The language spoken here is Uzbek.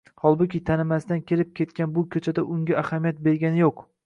Holbuki, tanimasdan kelib-ketgan bu ko'chada unga ahamiyat bergan yo'q.